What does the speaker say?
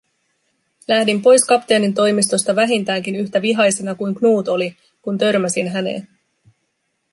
Lähdin pois kapteenin toimistosta vähintäänkin yhtä vihaisena kuin Knut oli, kun törmäsin häneen.